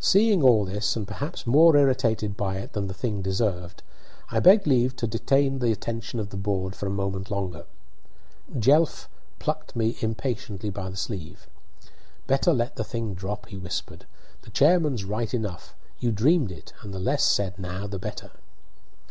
Seeing all this, and perhaps more irritated by it than the thing deserved, I begged leave to detain the attention of the board for a moment longer. Jelf plucked me impatiently by the sleeve. "Better let the thing drop," he whispered. "The chairman's right enough; you dreamed it, and the less said now the better."